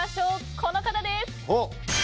この方です！